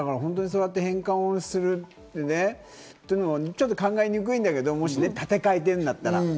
返還をするというのはちょっと考えにくいんだけど、もし立て替えてるんだったら。